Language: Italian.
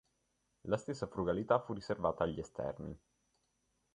La stessa frugalità fu riservata agli esterni.